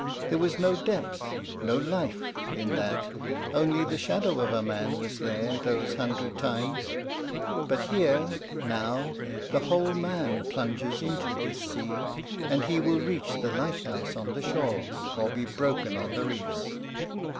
There was no depth, no life, in that; only the shadow of a man was there those hundred times. But here, now, the whole man plunges into this sea, and he will reach the lighthouse on the shore, or be broken on the reefs.